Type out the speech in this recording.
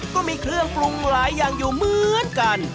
ก็มีเครื่องปรุงหลายอย่างอยู่เหมือนกัน